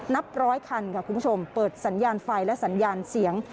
นับร้อยคันค่ะคุณผู้ชมเปิดสัญญาณไฟและสัญญาณเสียง